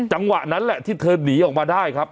จังหวะนั้นแหละที่เธอหนีออกมาได้ครับ